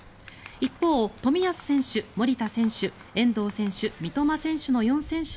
一方、冨安選手守田選手、遠藤選手